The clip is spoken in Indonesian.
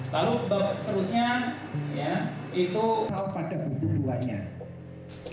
lalu selanjutnya itu hal pada bulu dua nya